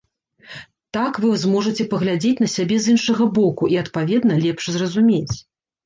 Так вы зможаце паглядзець на сябе з іншага боку, і, адпаведна, лепш зразумець.